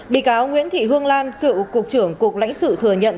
bị cáo nguyễn thị hương lan cựu cục trưởng cục lãnh sự thừa nhận